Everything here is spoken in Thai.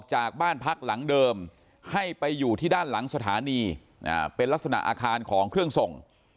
ให้ไปอยู่ที่ด้านหลังสถานีเป็นลักษณะอาคารของเครื่องส่ง